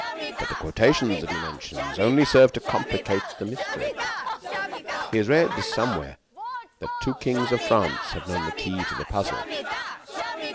But the quotations that he mentions only serve to complicate the mystery. He has read somewhere that two kings of France have known the key to the puzzle."